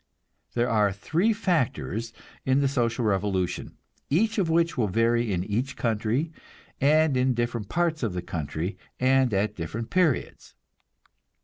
There are three factors in the social revolution, each of which will vary in each country, and in different parts of the country, and at different periods.